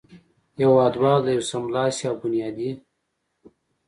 هېوادوال د یوه سملاسي او بنیادي